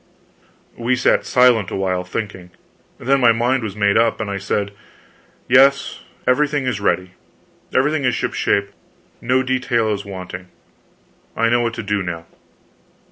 We sat silent awhile, thinking. Then my mind was made up, and I said: "Yes, everything is ready; everything is shipshape, no detail is wanting. I know what to do now."